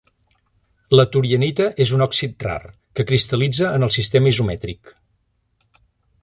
La torianita és un òxid rar, que cristal·litza en el sistema isomètric.